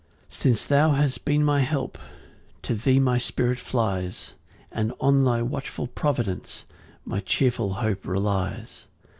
7 Since thou hast been my help, To thee my spirit flies, And on thy watchful providence My cheerful hope relies.